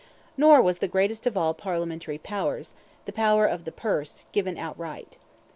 Nor was the greatest of all parliamentary powers the power of the purse given outright.